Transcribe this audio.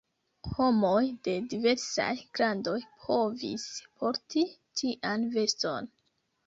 Homoj de diversaj grandoj povis porti tian veston.